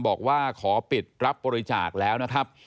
บอกว่าขอปิดรับบริจาคแล้วนะครับ